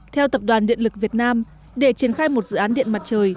theo tập đoàn điện lực việt nam để triển khai một dự án điện mặt trời